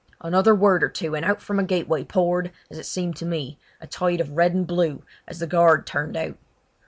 Another word or two, and out from a gateway poured, as it seemed to me, a tide of red and blue, as the guard turned out.